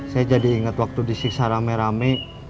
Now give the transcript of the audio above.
saya jadi ingat waktu disiksa rame rame